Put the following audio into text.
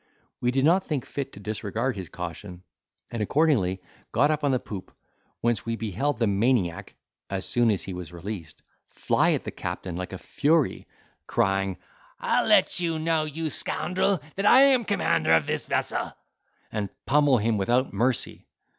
We did not think fit to disregard his caution, and accordingly got up on the poop, whence we beheld the maniac (as soon as he was released) fly at the captain like a fury, crying, "I'll let you know, you scoundrel, that I am commander of this vessel," and pummel him without mercy.